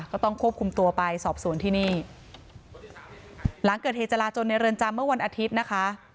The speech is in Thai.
ก็ต้องควบคุมตัวไปสอบสวนที่นี่หลังเกิดเหตุจราจนในเรือนจำเมื่อวันอาทิตย์นะคะ